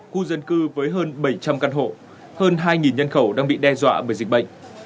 khu dân cư với hơn bảy trăm linh căn hộ hơn hai nhân khẩu đang bị đe dọa bởi dịch bệnh